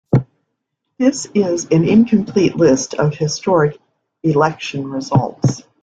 This is an incomplete list of historic election results.